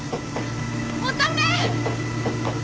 乙女！